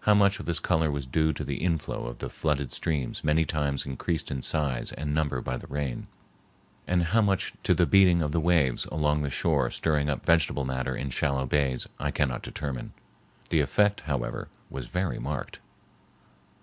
How much of this color was due to the inflow of the flooded streams many times increased in size and number by the rain, and how much to the beating of the waves along the shore stirring up vegetable matter in shallow bays, I cannot determine. The effect, however, was very marked.